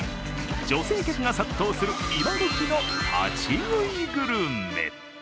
女性客が殺到する今どきの立ち食いグルメ。